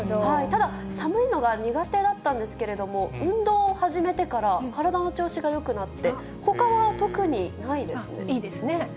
ただ寒いのが苦手だったんですけれども、運動を始めてから、体の調子がよくなって、いいですね。